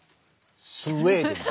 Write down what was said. スウェーデンだ。